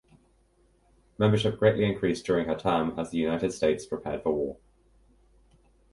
Membership greatly increased during her term as the United States prepared for war.